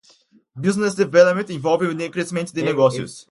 Business Development envolve o crescimento de negócios.